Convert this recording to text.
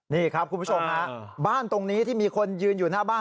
นี่ครับคุณผู้ชมฮะบ้านตรงนี้ที่มีคนยืนอยู่หน้าบ้าน